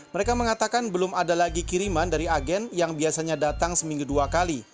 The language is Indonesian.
mereka mengatakan belum ada lagi kiriman dari agen yang biasanya datang seminggu dua kali